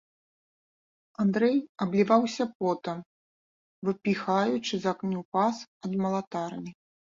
Андрэй абліваўся потам, выпіхаючы з агню пас ад малатарні.